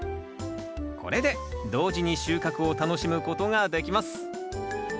これで同時に収穫を楽しむことができます